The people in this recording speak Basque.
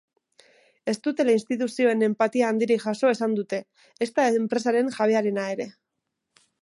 Ez dutela instituzioen enpatia handirik jaso esan dute, ezta enpresaren jabearena ere.